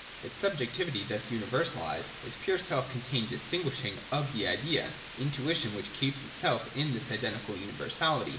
Its subjectivity, thus universalised, \spure self contained distinguishing of the idea, — intuition which keeps itself in this identical universality.